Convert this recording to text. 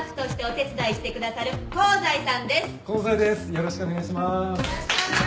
よろしくお願いします。